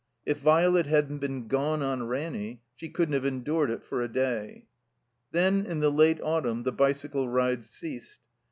If Violet hadn't been gone on Ranny she couldn't have endured it for a day. Then in the late autunm the bicycle rides ceased.